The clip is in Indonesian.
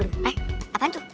eh apaan tuh